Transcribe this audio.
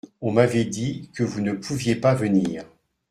On m’avait dit que vous ne pouviez pas venir.